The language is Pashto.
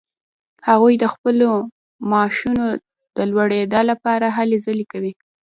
هغوی د خپلو معاشونو د لوړیدا لپاره هلې ځلې کوي.